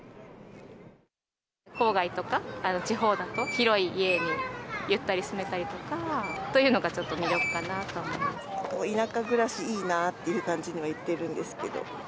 郊外とか、地方だと広い家にゆったり住めたりとかというのが、ちょっと魅力田舎暮らし、いいなという感じには言ってるんですけど。